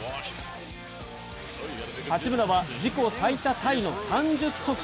八村は自己最多タイの３０得点。